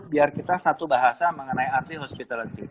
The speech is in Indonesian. biar kita satu bahasa mengenai art hospitality